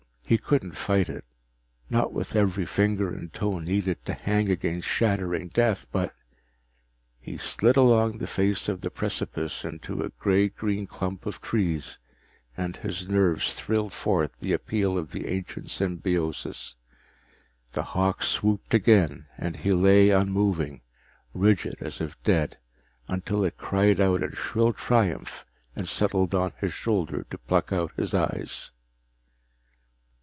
He couldn't fight it, not with every finger and toe needed to hang against shattering death, but He slid along the face of the precipice into a gray green clump of vines, and his nerves thrilled forth the appeal of the ancient symbiosis. The hawk swooped again and he lay unmoving, rigid as if dead, until it cried in shrill triumph and settled on his shoulder to pluck out his eyes.